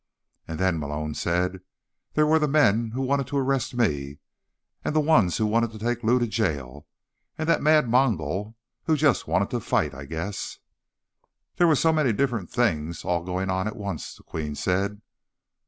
"And then," Malone said, "there were the men who wanted to arrest me. And the ones who wanted to take Lou to jail. And the mad Mongol who just wanted to fight, I guess." "There were so many different things, all going on at once," the Queen said.